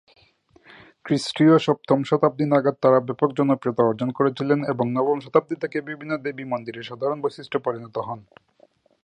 খ্রিষ্টীয় সপ্তম শতাব্দী নাগাদ তারা ব্যাপক জনপ্রিয়তা অর্জন করেছিলেন এবং নবম শতাব্দী থেকে বিভিন্ন দেবী মন্দিরের সাধারণ বৈশিষ্ট্যে পরিণত হন।